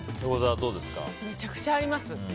めちゃくちゃあります。